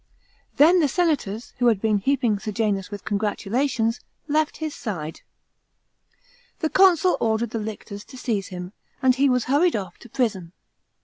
Then the senators, who had been heaping Sejanus with congratulations, left his side. The consul ordered the lictors to seize him, and he was hurried off' to prison.